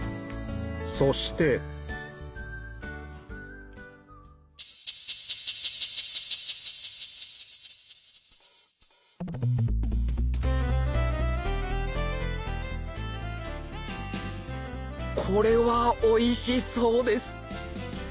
そしてこれはおいしそうです